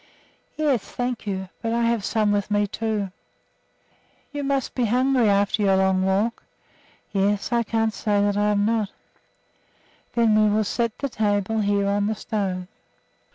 "Yes, thank you; but I have some with me, too." "You must be hungry after your long walk." "Yes, I can't say that I'm not." "Then we will set the table here on the stone."